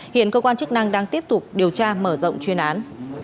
hiện công an chức năng đang tiếp tục điều tra mở rộng chuyên án